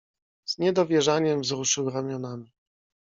"Z niedowierzaniem wzruszył ramionami."